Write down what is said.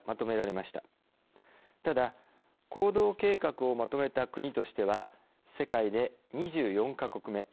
ただ行動計画をまとめた国としては世界で２４か国目。